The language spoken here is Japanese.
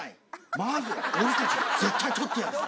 まず俺たちが絶対撮ってやるよ。